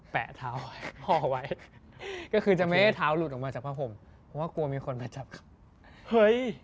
เพราะว่ากลัวมีคนมาจับข้างผม